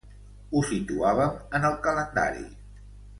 Ho situàvem en el calendari.